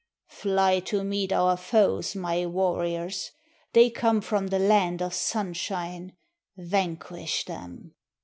"Fly to meet our foes, my warriors! They come from the land of Sunshine! Vanquish them!"